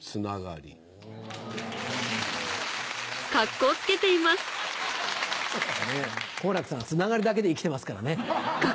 好楽さん繋がりだけで生きてますからね。